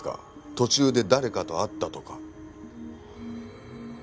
途中で誰かと会ったとか。